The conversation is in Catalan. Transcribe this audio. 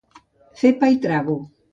Fer pa i trago.